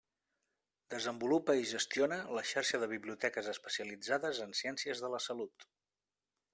Desenvolupa i gestiona la Xarxa de Biblioteques Especialitzades en Ciències de la Salut.